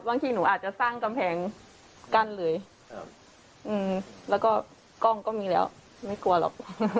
บางทีหนูอาจจะสร้างกำแพงกั้นเลยแล้วก็กล้องก็มีแล้วไม่กลัวหรอก